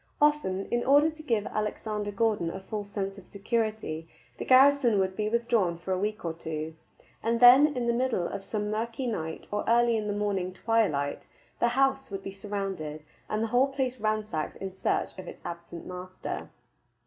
Often, in order to give Alexander Gordon a false sense of security, the garrison would be withdrawn for a week or two, and then in the middle of some mirky night or early in the morning twilight the house would be surrounded and the whole place ransacked in search of its absent master.